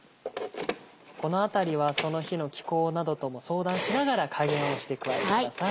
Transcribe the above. このあたりはその日の気候などとも相談しながら加減をして加えてください。